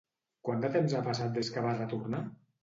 Quant de temps ha passat des que va retornar?